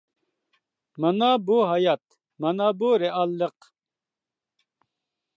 مانا بۇ ھايات، مانا بۇ رېئاللىق!